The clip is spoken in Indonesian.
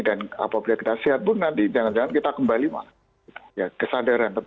dan apabila kita sehat pun nanti jangan jangan kita kembali malam